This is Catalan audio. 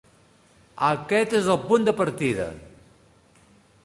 Aquest és el punt de partida.